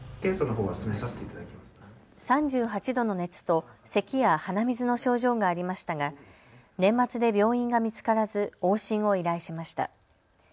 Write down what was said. ３８度の熱と、せきや鼻水の症状がありましたが年末で病院が見つからず往診を依頼しました。